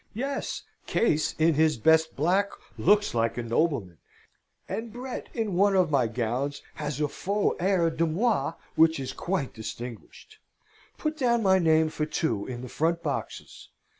Yes! Case in his best black looks like a nobleman; and Brett in one of my gowns has a faux air de moi which is quite distinguished. Put down my name for two in the front boxes.